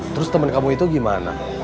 terus temen kamu itu gimana